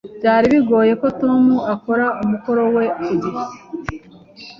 Byari bigoye ko Tom akora umukoro we ku gihe.